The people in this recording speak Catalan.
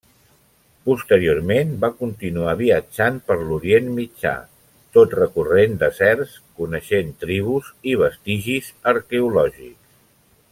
Posteriorment, va continuar viatjant per l'Orient Mitjà tot recorrent deserts, coneixent tribus i vestigis arqueològics.